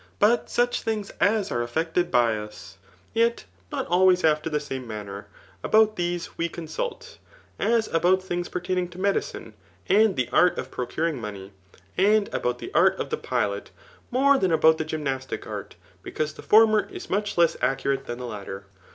But such things as are effected by us, yet not always after the same manner, about these we ooo suit ; as about things pertaim'ng to medicine, and the art of procuring money, ai^ about the art of the pilot more than about the gymnastic art, because the former is much less accurate than the latter.